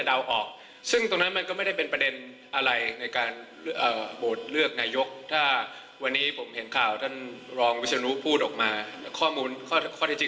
ผมก็คิดว่ามันไม่ได้เป็นอุปสรรคที่จะเข้าสู่กระบวนการ